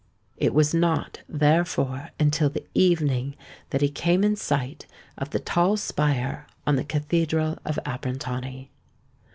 It was not, therefore, until the evening that he came in sight of the tall spire on the Cathedral of Abrantani.